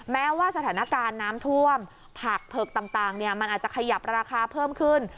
แม้ว่าสถานการณ์น้ำท่วมผักเผือกต่างมันอาจจะขยับราคาเพิ่มขึ้น